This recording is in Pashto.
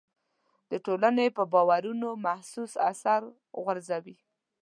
د ټولنې پر باورونو محسوس اثر غورځوي.